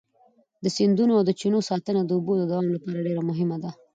د سیندونو او چینو ساتنه د اوبو د دوام لپاره ډېره مهمه ده.